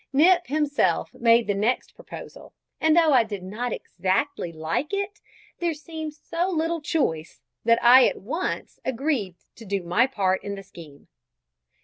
Nip himself made the next proposal, and though I did not exactly like it, there seemed so little choice, that I at once agreed to do my part in the scheme.